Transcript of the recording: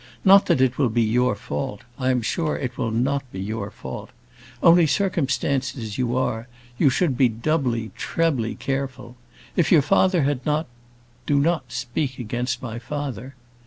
Not that it will be your fault. I am sure it will not be your fault. Only circumstanced as you are, you should be doubly, trebly, careful. If your father had not " "Do not speak against my father."